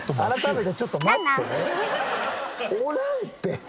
改めてちょっと待って。